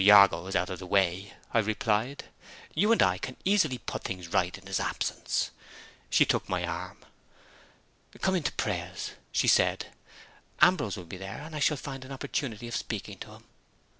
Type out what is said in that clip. Jago is out of the way," I replied. "You and I can easily put things right in his absence." She took my arm. "Come in to prayers," she said. "Ambrose will be there, and I shall find an opportunity of speaking to him."